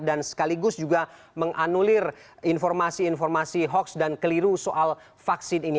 dan sekaligus juga menganulir informasi informasi hoaks dan keliru soal vaksin ini